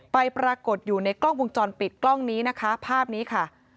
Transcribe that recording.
ปรากฏอยู่ในกล้องวงจรปิดกล้องนี้นะคะภาพนี้ค่ะ